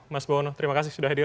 mas bowono terima kasih sudah hadir